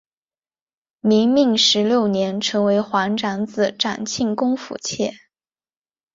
明命十六年成为皇长子长庆公府妾。